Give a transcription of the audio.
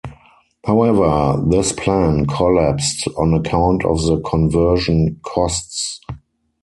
However, this plan collapsed on account of the conversion costs.